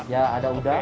ya ada udang